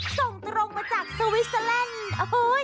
ส่งตรงมาจากสวิสเตอร์แลนด์โอ้โห